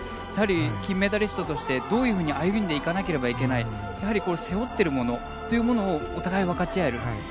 やはり、金メダリストとしてどういうふうに歩んでいかなければいけないやはり背負っているものをお互いに分かち合える。